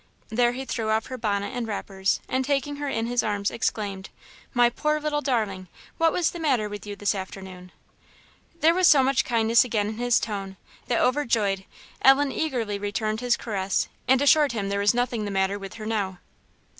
There he threw off her bonnet and wrappers, and taking her in his arms, exclaimed "My poor little darling! what was the matter with you this afternoon?" There was so much kindness again in his tone, that, overjoyed, Ellen eagerly returned his caress, and assured him that there was nothing the matter with her now.